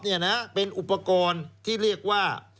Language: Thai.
นี่นะเป็นอุปกรณ์ที่เรียกว่า